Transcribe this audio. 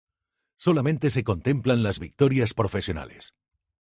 Solamente se contemplan las victorias profesionales.